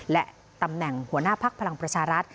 และตำแหน่งหัวหน้าพักพลังประชารัฐ